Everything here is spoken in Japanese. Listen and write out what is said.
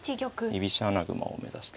居飛車穴熊を目指してますので。